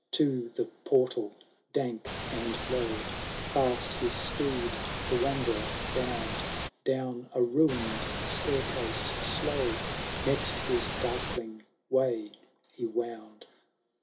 To the portal, dank and low, Fast his steed the wanderer bound; Down a ruined staircase slow, Next his darkling way he wound.